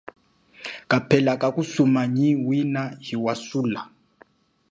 Kapela kakusumana nyi wina hiwasula.